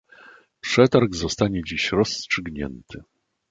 Przetarg zostanie dziś rozstrzygnięty.